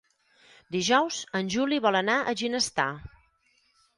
Dijous en Juli vol anar a Ginestar.